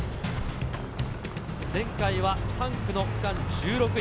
前回は３区の区間１６位。